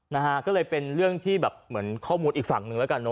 นะฮะก็เลยเป็นเรื่องที่แบบเหมือนข้อมูลอีกฝั่งหนึ่งแล้วกันเน